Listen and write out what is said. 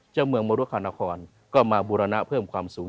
เจ้าเมืองมรุคานครก็มาบูรณะเพิ่มความสูง